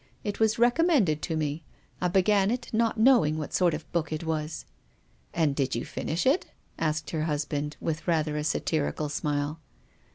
" It was recommended to me. I began it not knowing what sort of book it was. "And did you finish it?" asked her husband, with rather a satirical smile.